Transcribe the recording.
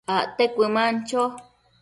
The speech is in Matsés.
acte cuëman cho